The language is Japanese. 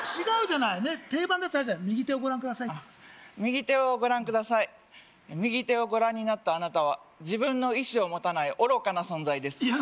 違うじゃない定番のやつあるじゃない右手をご覧ください右手をご覧ください右手をご覧になったあなたは自分の意志を持たない愚かな存在です